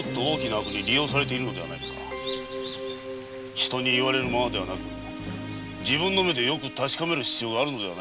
人に言われるままではなく自分で確かめる必要があるのではないか。